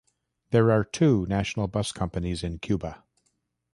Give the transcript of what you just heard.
There are two national bus companies in Cuba.